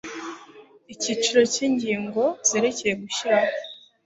ikiciro cya ingingo zerekeye gushyiraho